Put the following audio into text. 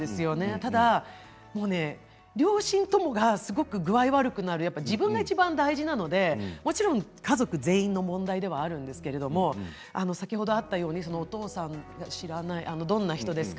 ただ両親ともすごく具合悪くなる自分がいちばん大事なのでもちろん家族全員の問題ではあるんですけども先ほどあったようにお父さんがどんな人ですか？